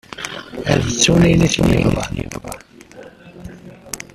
Ad ttun ayen i ten-yebḍan.